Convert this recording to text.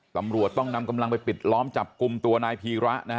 ตำรวจต้องนำกำลังไปปิดล้อมจับกลุ่มตัวนายพีระนะฮะ